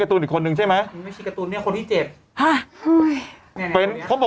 อยู่กับคนเมื่อกี้เปล่า